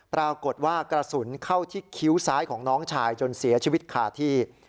ปรากฏว่ากระสุนเข้าที่คิ้วซ้ายของน้องชายจนเสียชีวิตคาที่